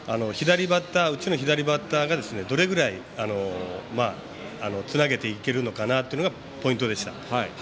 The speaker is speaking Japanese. うちの左バッターがどれぐらいつなげていけるのかなというのがポイントでした。